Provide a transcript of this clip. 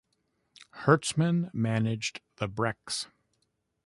Hertzman managed the Brecks.